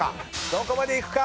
どこまでいくか？